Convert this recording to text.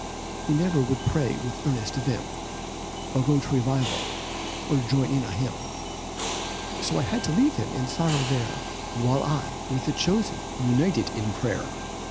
He never would pray with an earnest vim, Or go to revival, or join in a hymn, So I had to leave him in sorrow there While I, with the chosen, united in prayer.